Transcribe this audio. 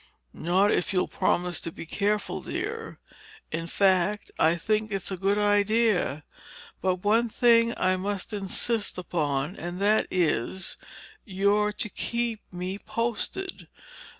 "Not if you'll promise to be careful, dear. In fact, I think it's a good idea. But one thing I must insist upon and that is—you're to keep me posted.